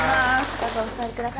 どうぞお座りください